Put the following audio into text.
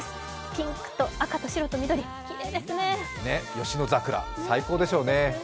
ピンクと赤と白と緑、吉野桜、最高でしょうね。